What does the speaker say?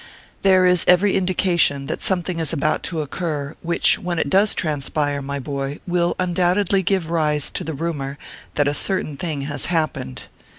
THERE is every indication that something is about to occur, which, when it does transpire, my boy, will undoubtedly give rise to the rumor that a certain thing has happened.